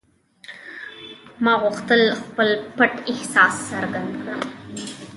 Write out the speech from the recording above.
ما غوښتل خپل پټ احساس څرګند کړم